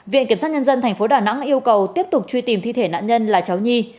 viện kiểm sát nhân dân tp đà nẵng yêu cầu tiếp tục truy tìm thi thể nạn nhân là cháu nhi